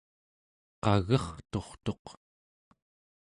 qagerturtuq